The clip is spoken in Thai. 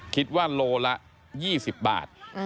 คิดว่าโลละ๒๐บาท